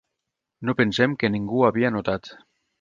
No pensem que ningú havia notat.